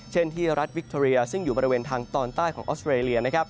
เช่นที่รัฐวิคทอเรียซึ่งอยู่บริเวณทางตอนใต้ของออสเตรเลีย